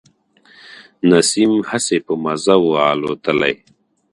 نسیم هسي په مزه و الوتلی.